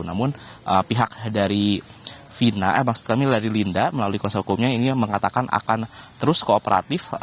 namun pihak dari fina eh maksud kamil dari linda melalui kuasa hukumnya ini mengatakan akan terus kooperatif